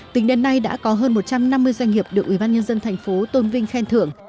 tính đến nay đã có hơn một trăm năm mươi doanh nghiệp được ủy ban nhân dân thành phố tôn vinh khen thưởng